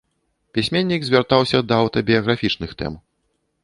Пісьменнік звяртаўся да аўтабіяграфічных тэм.